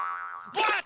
わっ！